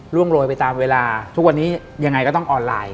โรยไปตามเวลาทุกวันนี้ยังไงก็ต้องออนไลน์